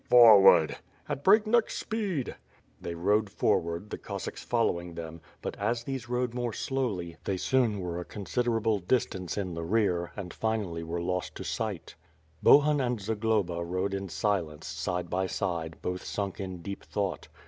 ^* "Forward!" "At breakneck speed." They rode forward, the Cossacks following them, but as these rode more slowly, they soon were a considerable distance in the rear, and finally were lost to sight. WITH FIRfJ A>:D sword. 223 Bohun and Zagloba rode in silence, side by side, both sunk in deep thought.